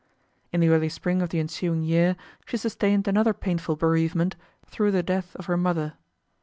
In the early spring of the ensuing year she sustained another painful bereavement through the death of her mother.